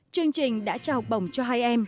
chương trình đã trao học bồng cho hai em